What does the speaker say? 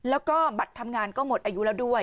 แล้วก็บัตรทำงานก็หมดอายุแล้วด้วย